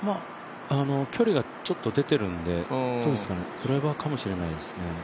距離がちょっと出てるので、ドライバーかもしれないですね。